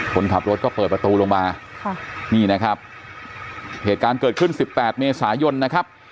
คนขับรถก็เปิดประตูลงมาค่ะนี่นะครับเหตุการณ์เกิดขึ้นสิบแปดเมษายนนะครับ